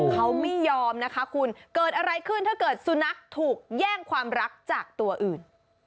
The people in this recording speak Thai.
เขาไม่ยอมนะคะคุณเกิดอะไรขึ้นถ้าเกิดสุนัขถูกแย่งความรักจากตัวอื่น